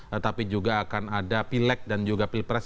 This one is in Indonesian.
tetapi juga akan ada pilek dan juga pilpres